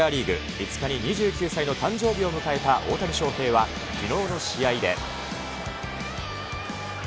５日に２９歳の誕生日を迎えた大谷翔平は、きのうの試合で。